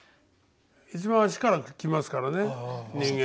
一番足から来ますからね人間。